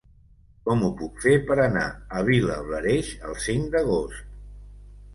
Com ho puc fer per anar a Vilablareix el cinc d'agost?